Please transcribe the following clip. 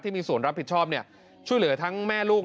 มีส่วนรับผิดชอบช่วยเหลือทั้งแม่ลูก